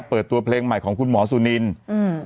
เปิดตัวเพลงใหม่ของคุณหมอสุนินอืม